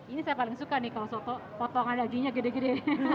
ini saya paling suka nih kalau soto potongan dagingnya gede gede